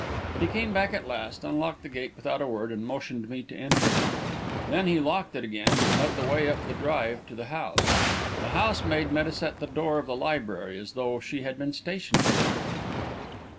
But he came back at last, unlocked the gate without a word, and motioned me to enter. Then he locked it again, and led the way up the drive to the house. The housemaid met us at the door of the library, as though she had been stationed there.